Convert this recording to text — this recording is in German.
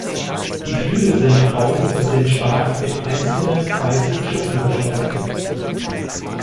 Die Flügel sind braun und sind stark mit einzelnen, weißen Schuppen bestäubt.